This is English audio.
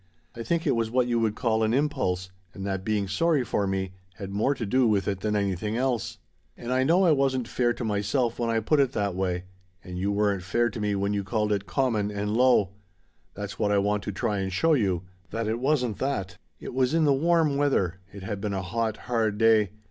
I think it was what you would call an impulse and that being sorry for me had more to do with it than anything else. "And I know I wasn't fair to myself when I put it that way; and you weren't fair to me when you called it common and low. That's what I want to try and show you that it wasn't that. "It was in the warm weather. It had been a hot, hard day.